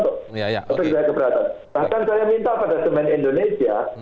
bahkan saya minta pada semen indonesia